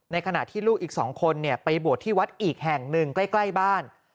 ขณะที่ลูกอีก๒คนไปบวชที่วัดอีกแห่งหนึ่งใกล้บ้าน